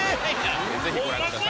ぜひご覧くださいホンマ